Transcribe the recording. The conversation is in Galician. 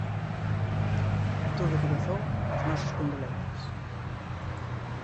De todo corazón, as nosas condolencias.